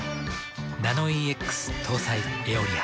ナノイーＸ搭載「エオリア」。